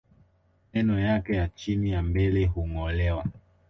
Meno yake ya chini ya mbele hungolewa